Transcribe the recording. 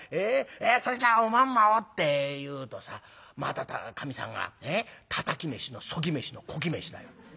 『それじゃおまんまを』って言うとさまたかみさんがたたき飯のそぎ飯のこき飯だよ。